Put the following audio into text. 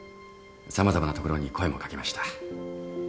様々なところに声も掛けました。